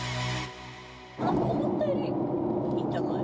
なんか思ったよりいいんじゃない？